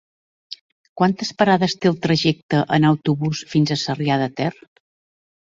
Quantes parades té el trajecte en autobús fins a Sarrià de Ter?